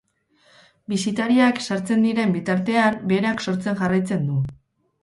Bisitariak sartzen diren bitartean berak sortzen jarraitzen du.